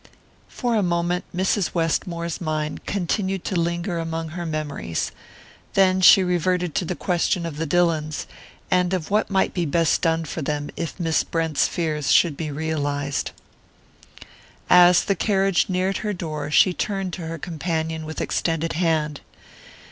For a moment Mrs. Westmore's mind continued to linger among her memories; then she reverted to the question of the Dillons, and of what might best be done for them if Miss Brent's fears should be realized. As the carriage neared her door she turned to her companion with extended hand.